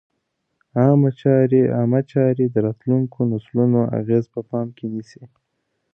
عامه چارې د راتلونکو نسلونو اغېز په پام کې نیسي.